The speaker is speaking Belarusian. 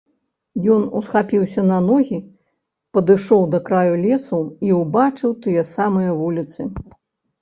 Ён усхапіўся на ногі, падышоў да краю лесу і ўбачыў тыя самыя вуліцы.